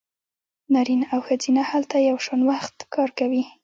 نارینه او ښځینه هلته یو شان وخت کار کوي